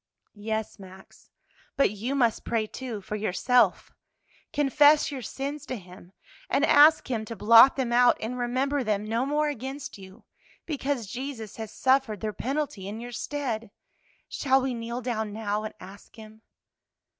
"Yes, Max, but you must pray, too, for yourself; confess your sins to Him, and ask Him to blot them out and remember them no more against you, because Jesus has suffered their penalty in your stead. Shall we kneel down now and ask Him?"